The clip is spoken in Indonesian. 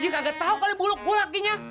ji kagak tau kali buluk gue laginya